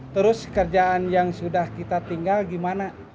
terus kerjaan yang sudah kita tinggal gimana